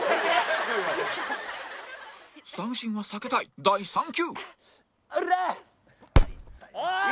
三振は避けたい第３球おりゃ！